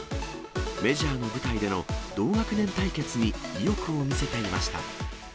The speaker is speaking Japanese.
メジャーの舞台での同学年対決に意欲を見せていました。